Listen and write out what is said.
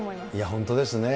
本当ですね。